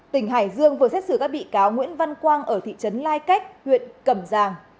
tỉnh hải dương vừa xét xử các bị cáo nguyễn văn quang ở thị trấn lai cách huyện cầm giang